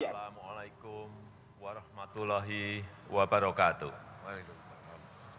assalamu alaikum warahmatullahi wabarakatuh